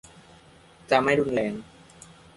จะไม่รุนแรง